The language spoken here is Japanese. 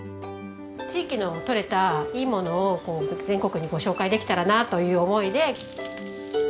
地域の取れたいいものを全国にご紹介できたらなという思いで。